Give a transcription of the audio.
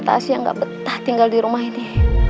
tasya gak betah tinggal di rumah ini